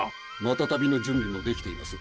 マタタビの準備もできています。